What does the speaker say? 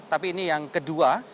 tapi ini yang kedua